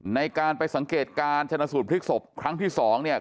ในการไปสังเกตการชนะสูตรพลิกศพครั้งที่สองเนี่ย